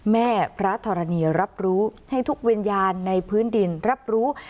แม่พระธรณีรับรู้ให้ทุกวิญญาณในพื้นดินรับรู้